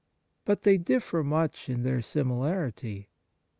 But they differ much in their similarity.